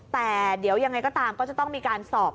แต่เดี๋ยวยังไงก็ตามก็จะต้องมีการสอบ